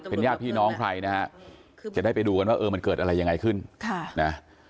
เป็นญาติพี่น้องใครนะฮะเดี๋ยวได้ไปดูกันว่าเออมันเกิดอะไรยังไงขึ้น